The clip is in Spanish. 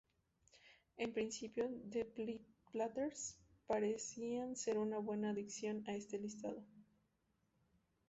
En principio, The Platters parecían ser una buena adición a este listado.